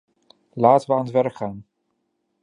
Laten we aan het werk gaan!